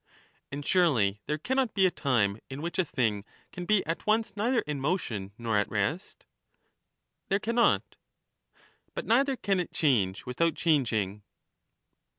And surely there cannot be a time in which a thing can be at once neither in motion nor at rest ? There cannot. But neither can it change without changing.